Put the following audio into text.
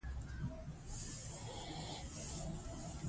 ایا دا راتلونکی بدلوي؟